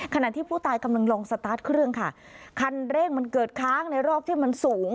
ขณะที่ผู้ตายกำลังลองสตาร์ทเครื่องค่ะคันเร่งมันเกิดค้างในรอบที่มันสูง